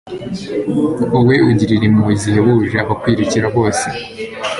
wowe ugirira impuhwe zihebuje abakwirukira bose